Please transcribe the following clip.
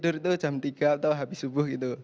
tidur itu jam tiga atau habis subuh gitu